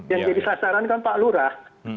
yang jadi sasaran kan pak lurah